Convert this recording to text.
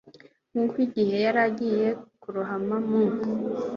Nk'uko igihe yari agiye kurohama mu ,